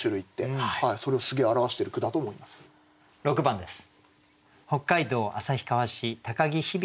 ６番です。